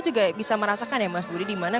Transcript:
juga bisa merasakan ya mas budi dimana